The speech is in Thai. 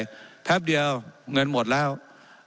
ว่าการกระทรวงบาทไทยนะครับ